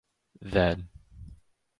Then.